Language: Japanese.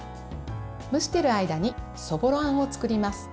蒸している間にそぼろあんを作ります。